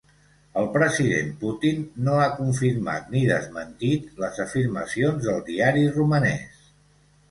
El president Putin no ha confirmat ni desmentit les afirmacions del diari romanès.